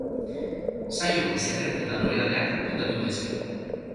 Saioko sekretu eta nobedadeak kontatuko dizkigu.